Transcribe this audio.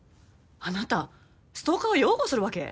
あなたストーカーを擁護するわけ？